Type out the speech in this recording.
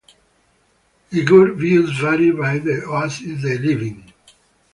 Uyghur views vary by the oasis they live in.